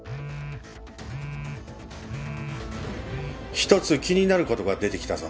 一つ気になる事が出てきたぞ。